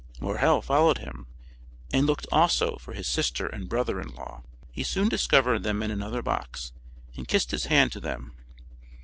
Morrel followed him, and looked also for his sister and brother in law; he soon discovered them in another box, and kissed his hand to them.